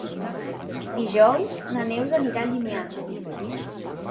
Dijous na Neus anirà a Llimiana.